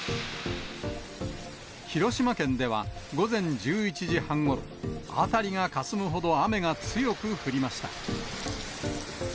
広島県では、午前１１時半ごろ、辺りがかすむほど雨が強く降りました。